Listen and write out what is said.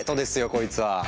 こいつはァ！